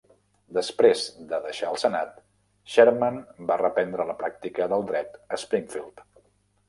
Després de deixar el Senat, Sherman va reprendre la pràctica del dret a Springfield.